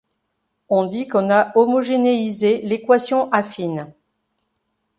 On dit qu'on a homogénéisé l'équation affine.